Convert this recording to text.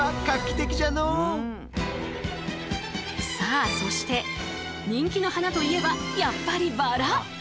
さあそして人気の花といえばやっぱりバラ。